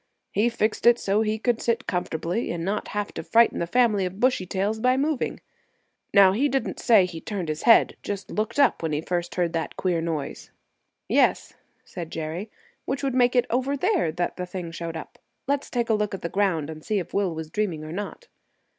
"He fixed it so he could sit comfortably, and not have to frighten the family of bushy tails by moving. Now, he didn't say he turned his head; just looked up when first he heard that queer noise." "Yes," said Jerry, "which would make it over there that the thing showed up. Let's take a look at the ground, and see if Will was dreaming or not."